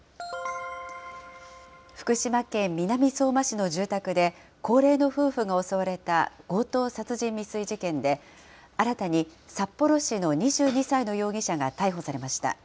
福島県南相馬市の住宅で、高齢の夫婦が襲われた強盗殺人未遂事件で、新たに札幌市の２２歳の容疑者が逮捕されました。